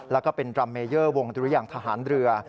แล้วก็เป็นดรัมเมเยอร์วงดุรยางทหารเรือ